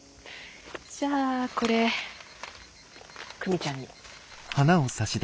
じゃあこれ久美ちゃんに。